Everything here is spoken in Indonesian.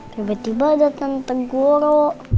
tiba tiba datang tante goro